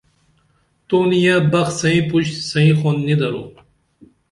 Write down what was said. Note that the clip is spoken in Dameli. تو نِیہ بخ سئیں پُش سئیں خون نی درو